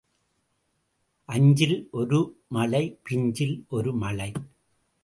அஞ்சில் ஒரு மழை பிஞ்சில் ஒரு மழை.